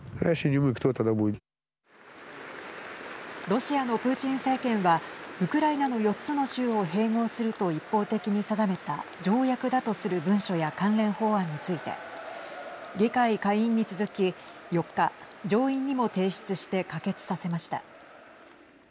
ロシアのプーチン政権はウクライナの４つの州を併合すると一方的に定めた条約だとする文書や関連法案について議会下院に続き４日、上院にも提出して可決させました。